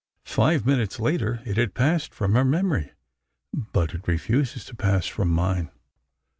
Five minutes later, it had passed from her memory, but it refuses to pass from mine.